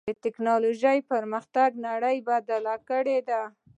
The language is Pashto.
د ټکنالوجۍ پرمختګ نړۍ بدلې کړې ده.